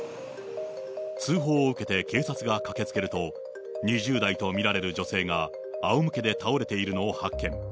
通報を受けて警察が駆けつけると、２０代と見られる女性があおむけで倒れているのを発見。